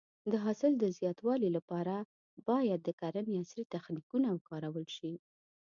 د حاصل د زیاتوالي لپاره باید د کرنې عصري تخنیکونه وکارول شي.